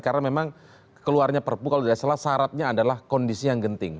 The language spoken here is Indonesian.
karena memang keluarnya perpu kalau tidak salah syaratnya adalah kondisi yang genting